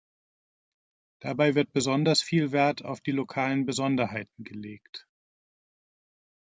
Dabei wird besonders viel Wert auf die lokalen Besonderheiten gelegt.